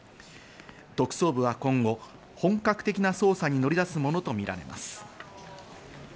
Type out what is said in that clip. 特捜部は今後、本格的な捜査に乗り出すものとみられます。